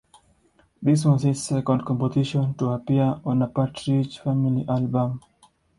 This was his second composition to appear on a Partridge Family album.